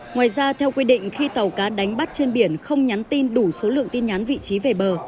ngoài ra theo quy định khi tàu cá đánh bắt trên biển không nhắn tin đủ số lượng tin nhắn vị trí về bờ